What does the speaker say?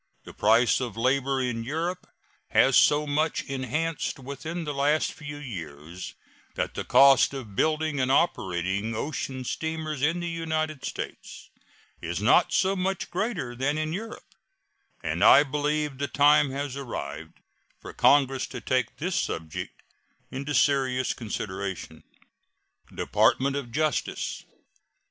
The price of labor in Europe has so much enhanced within the last few years that the cost of building and operating ocean steamers in the United States is not so much greater than in Europe; and I believe the time has arrived for Congress to take this subject into serious consideration. DEPARTMENT OF JUSTICE.